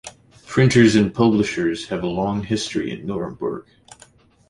Printers and publishers have a long history in Nuremberg.